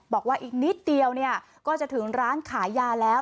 บอกว่าอีกนิดเดียวก็จะถึงร้านขายยาแล้ว